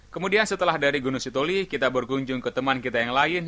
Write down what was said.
kemudian setelah dari gunung sitoli kita berkunjung ke teman kita yang lain